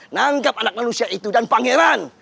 nanggap anak manusia itu dan pangeran